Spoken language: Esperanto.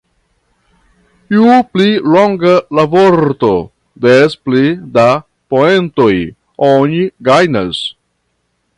Ju pli longa la vorto, des pli da poentoj oni gajnas.